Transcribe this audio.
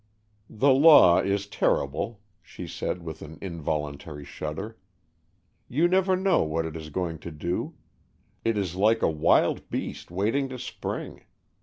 "The law is terrible," she said with an involuntary shudder. "You never know what it is going to do. It is like a wild beast, waiting to spring.